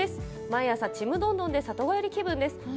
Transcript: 毎日「ちむどんどん」で里帰り気分です。